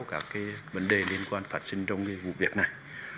các vấn đề liên quan phát sinh trong vụ việc này